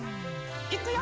いくよ。